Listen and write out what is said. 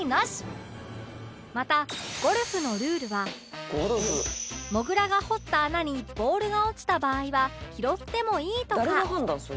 またゴルフのルールはモグラが掘った穴にボールが落ちた場合は拾ってもいいとか